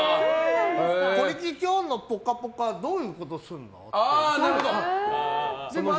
小力、今日の「ぽかぽか」はどういうことするの？みたいな。